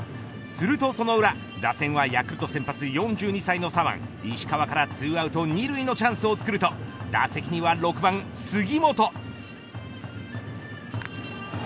するとその裏打線は、ヤクルト先発４２歳の左腕、石川から２アウト２塁のチャンスを作ると打席には６番杉本。